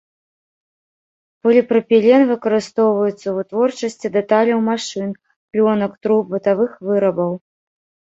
Поліпрапілен выкарыстоўваецца ў вытворчасці дэталяў машын, плёнак, труб, бытавых вырабаў.